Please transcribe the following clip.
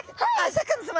シャーク香音さま